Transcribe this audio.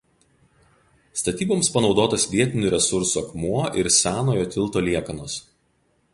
Statyboms panaudotas vietinių resursų akmuo ir senojo tilto liekanos.